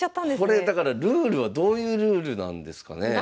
これだからルールはどういうルールなんですかねえ。